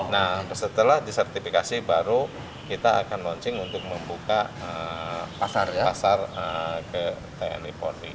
nah setelah disertifikasi baru kita akan launching untuk membuka pasar ke tni polri